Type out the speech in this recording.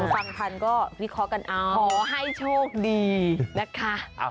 ฟังทันก็วิเคราะห์กันเอาขอให้โชคดีนะคะ